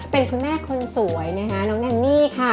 เป็นคุณแม่คนสวยนะคะน้องแนนนี่ค่ะ